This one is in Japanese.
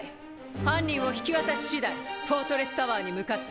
犯人を引き渡ししだいフォートレスタワーに向かって。